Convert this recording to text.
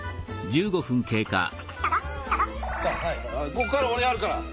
ここから俺やるから！